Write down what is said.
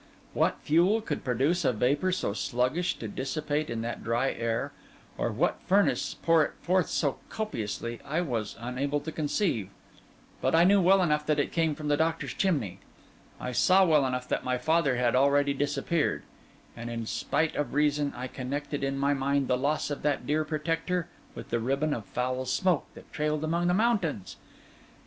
What fuel could produce a vapour so sluggish to dissipate in that dry air, or what furnace pour it forth so copiously, I was unable to conceive; but I knew well enough that it came from the doctor's chimney; I saw well enough that my father had already disappeared; and in despite of reason, I connected in my mind the loss of that dear protector with the ribbon of foul smoke that trailed along the mountains.